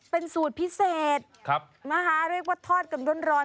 เป็นสูตรพิเศษครับมันฮะเรียกว่าทอดกันร้อนร้อน